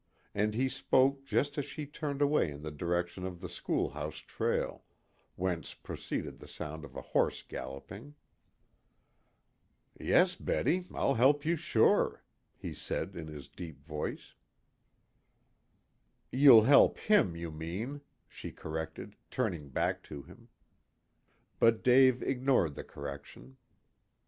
And he spoke just as she turned away in the direction of the schoolhouse trail, whence proceeded the sound of a horse galloping. "Yes, Betty I'll help you sure," he said in his deep voice. "You'll help him, you mean," she corrected, turning back to him. But Dave ignored the correction.